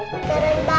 papa bajunya putih putih